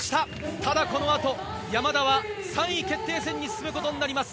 ただこのあと山田は３位決定戦に進むことになります。